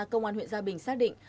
công an huyện gia bình xác định